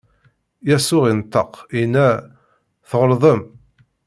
Yasuɛ inṭeq, inna: Tɣelḍem!